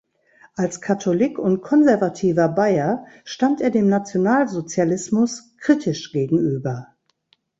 Als Katholik und konservativer Bayer stand er dem Nationalsozialismus kritisch gegenüber.